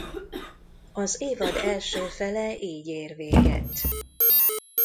Az évad első fele így ér véget.